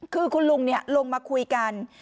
คือคุณลุงเนี่ยลุงมาคุยกัน